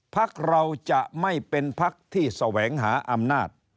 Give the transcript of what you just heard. ภักดิ์เราจะไม่เป็นภักดิ์ที่แสวงหาอำนาจ